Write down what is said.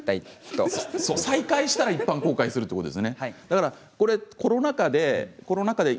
再開されたら一般公開するということです。